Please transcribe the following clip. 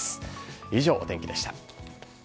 以上、お天気でした。